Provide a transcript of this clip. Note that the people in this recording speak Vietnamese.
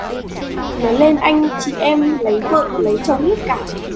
Lớn lên anh chị em lấy vợ lấy chồng hết cả